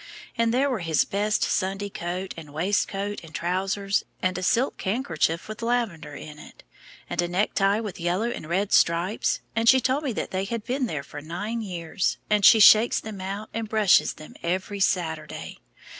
And there were his best Sunday coat and waistcoat and trousers, and a silk handkerchief with lavender in it, and a necktie with yellow and red stripes, and she told me they had been there for nine years, and she shakes them out and brushes them every Saturday.